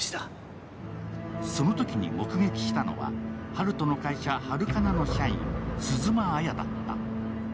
そのときに目撃したのは、温人の会社、ハルカナの社員、鈴間亜矢だった。